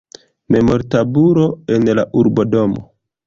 Memortabulo en la urbodomo.